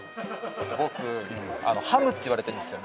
僕「ハム」っていわれてるんですよ